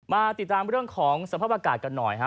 มาติดตามเรื่องของสภาพอากาศกันหน่อยฮะ